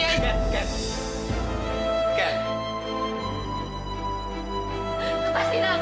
aku kayak orang buta disini